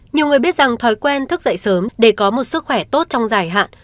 nhiều người biết rằng thói quen thức dậy sớm để có một sức khỏe tốt trong dài hạn